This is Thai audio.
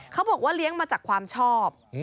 เขาบอกว่าเลี้ยงมาจากความชอบ